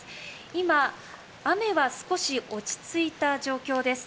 今、雨は少し落ち着いた状況です。